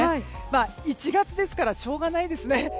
１月ですからしょうがないです。